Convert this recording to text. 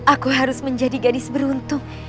aku harus menjadi gadis beruntung